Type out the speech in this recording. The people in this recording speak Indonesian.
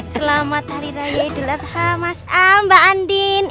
selamat hari raya jadwal adha mas amba andin